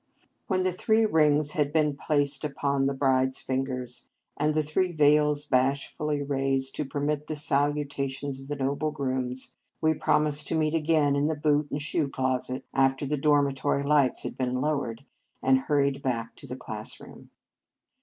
When the three rings had been In Our Convent Days placed upon the brides fingers, and the three veils bashfully raised to permit the salutations of the noble grooms, we promised to meet again in the boot and shoe closet, after the dormitory lights had been lowered, and hurried back to the schoolroom.